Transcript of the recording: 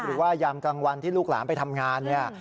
ยามกลางวันที่ลูกหลานไปทำงานเนี่ย